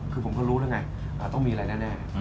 คือผมก็รู้แล้วไงต้องมีอะไรแน่